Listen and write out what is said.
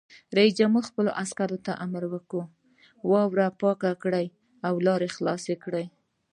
رئیس جمهور خپلو عسکرو ته امر وکړ؛ واورې پاکې کړئ او لارې خلاصې کړئ!